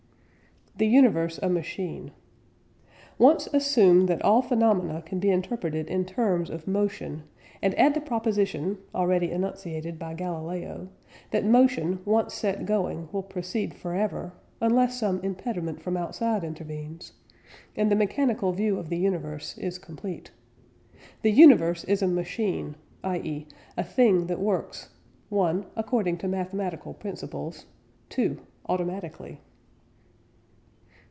THE UNIVERSE A MACHINE. Once assume that all phenomena can be interpreted in terms of motion, and add the proposition (already enunciated by Galileo) that motion once set going will proceed for ever, unless some impediment from outside intervenes, and the mechanical view of the universe is complete. The universe is a machine, i.e. a thing that works (1) according to mathematical principles, (2) automatically.